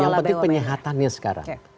yang penting penyehatannya sekarang